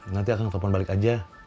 nanti akang telfon balik aja